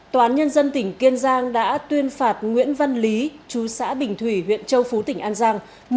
tòa án nhân dân tỉnh kiên giang đã tuyên phạt nguyễn văn lý chú xã bình thủy huyện châu phú tỉnh an giang